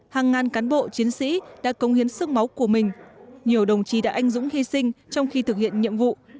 hàng ngàn cán bộ chiến sĩ đã công hiến sức máu của mình nhiều đồng chí đã anh dũng hy sinh trong khi thực hiện nhiệm vụ